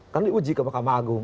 kan diuji ke mahkamah agung